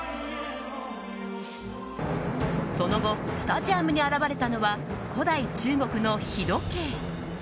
その後、スタジアムに現れたのは古代中国の日時計。